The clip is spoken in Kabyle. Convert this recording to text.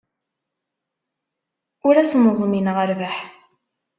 Ur asen-ḍmineɣ rrbeḥ.